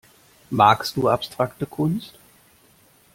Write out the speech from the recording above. Magst du abstrakte Kunst?